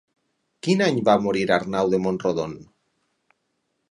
Quin any va morir Arnau de Mont-rodon?